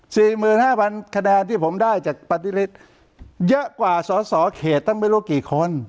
สี่หมื่นห้าพันคะแนนที่ผมได้จากปฏิฤทธิ์เยอะกว่าสอสอเขตตั้งไม่รู้กี่คน